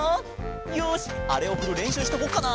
よしあれをふるれんしゅうしとこっかな。